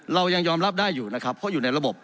เรายังยอมรับได้อยู่นะครับเพราะอยู่ในระบบ